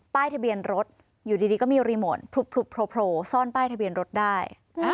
ป้ายทะเบียนรถโปรโพคือส้อนป้ายทะเบียนรถได้